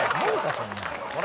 そんなの。